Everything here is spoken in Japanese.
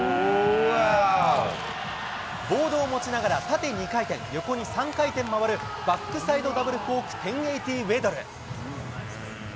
ボードを持ちながら、縦２回転、横に３回転回るバックサイドダブルコーク１０８０ウェドル。